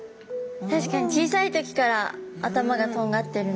確かに小さい時から頭がとんがってる。